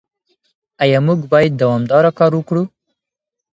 ايا موږ بايد دوامداره کار وکړو؟